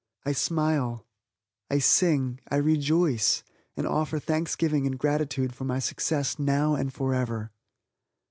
I smile I sing I rejoice, and offer thanksgiving and gratitude for my success now and forever.